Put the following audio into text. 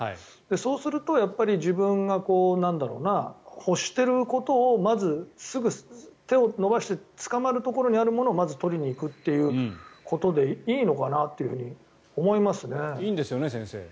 そうすると、自分が欲してることをまず手を伸ばしてつかまるところにあるものをまず取りに行くということでいいのかなと思いますね。